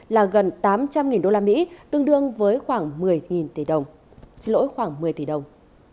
là gần tám trăm linh usd tương đương với khoảng một mươi tỷ đồng